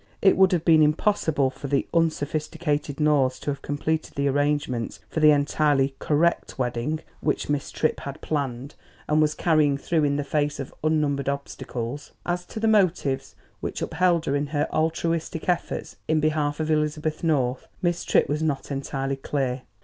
It would have been impossible for the unsophisticated Norths to have completed the arrangements for the entirely "correct" wedding which Miss Tripp had planned and was carrying through in the face of unnumbered obstacles. As to the motives which upheld her in her altruistic efforts in behalf of Elizabeth North Miss Tripp was not entirely clear.